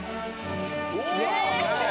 お！